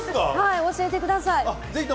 教えてください。